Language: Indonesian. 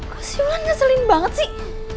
kok si ulan ngeselin banget sih